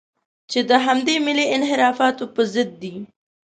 چې د همدې ملي انحرافاتو په ضد دي.